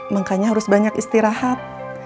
makanya harus banyak istirahat